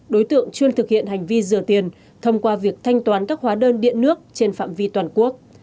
đối tượng chuyên thực hiện hành vi rửa tiền thông qua việc thanh toán các hóa đơn điện nước trên phạm vi toàn quốc